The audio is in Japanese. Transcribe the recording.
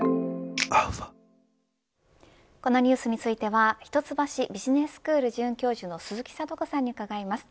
このニュースについては一橋ビジネススクール准教授の鈴木智子さんに伺います。